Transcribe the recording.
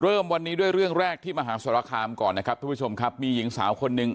เริ่มวันนี้ด้วยเรื่องแรกที่มหาสรคามก่อนนะครับทุกผู้ชมครับมีหญิงสาวคนหนึ่ง